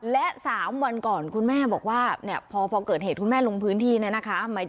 และ๓วันก่อนคุณแม่บอกว่าเนี่ยพอเกิดเหตุคุณแม่ลงพื้นที่เนี่ยนะคะ